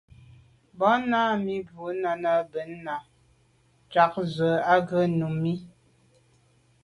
Ba nǎmî bû Nánái bɛ̂n náɁ ják ndzwə́ á gə́ Númíi.